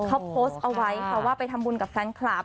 เขาโพสต์เอาไว้ค่ะว่าไปทำบุญกับแฟนคลับ